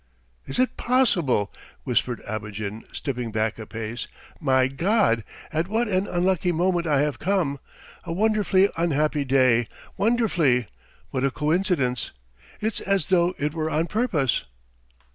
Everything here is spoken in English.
"Is it possible!" whispered Abogin, stepping back a pace. "My God, at what an unlucky moment I have come! A wonderfully unhappy day ... wonderfully. What a coincidence. ... It's as though it were on purpose!"